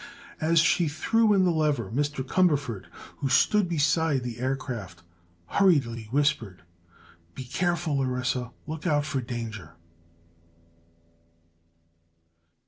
As she threw in the lever Mr. Cumberford, who stood beside the aircraft, hurriedly whispered: "Be careful, Orissa—look out for danger!"